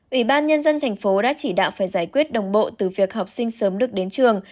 ủy ban nhân dân thành phố đã chỉ đạo phải giải quyết đồng bộ từ việc học sinh sớm được đến trường